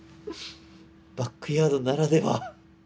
バックヤードならでは。